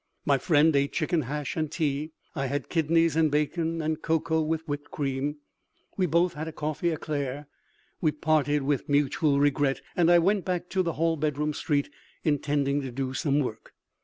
My friend ate chicken hash and tea; I had kidneys and bacon, and cocoa with whipped cream. We both had a coffee éclair. We parted with mutual regret, and I went back to the Hallbedroom street, intending to do some work.